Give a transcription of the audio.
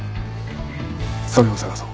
それを捜そう。